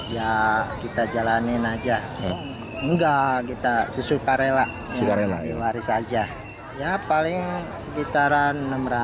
ya kita jalanin aja enggak kita sesuka rela sudah rela diwaris aja ya paling sekitaran